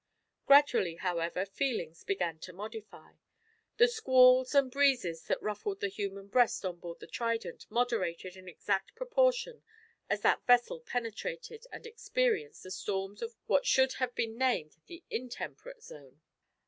Gradually, however, feelings began to modify. The squalls and breezes that ruffled the human breasts on board the Trident moderated in exact proportion as that vessel penetrated and experienced the storms of what should have been named the in temperate zone.